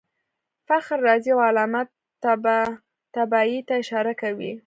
فخر رازي او علامه طباطبايي ته اشاره کوي.